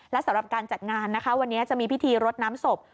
และสำหรับการจัดงานนะคะวันนี้จะมีพิธีรดน้ำศพ